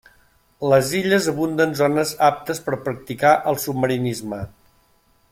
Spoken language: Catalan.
Les illes abunden zones aptes per practicar el submarinisme.